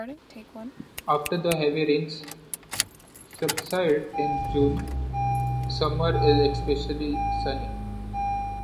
After the heavy rains subside in June, summer is especially sunny.